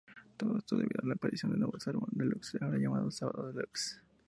Todo esto debido a la aparición del nuevo Sálvame Deluxe, ahora llamado "Sábado Deluxe".